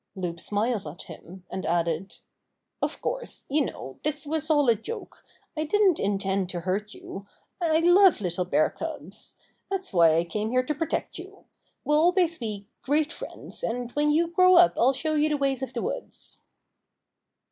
Loup smiled at him, and added: "Of course, you know this was all a joke. I didn't intend to hurt Buster and Loup 19 you. I love little bear cubs. That's why I came here to protect you. We'll always be great friends, and when you grow up I'll show you the ways of the woods."